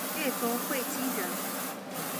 越州会稽人。